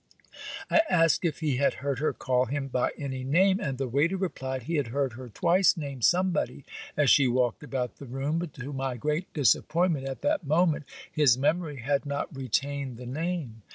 I asked if he had heard her call him by any name, and the waiter replied he had heard her twice name somebody as she walked about the room; but to my great disappointment at that moment, his memory had not retained the name.